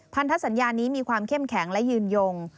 พันธสัญญานี้มีความเข้มแข็งและยืนยง